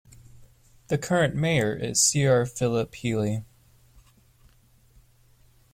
The current mayor is Cr Phillip Healey.